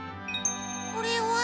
これは。